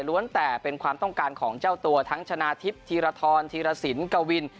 แต่เป็นความต้องการของเจ้าตัวทั้งชนะทิพย์ธีรทรธีรสินกวิน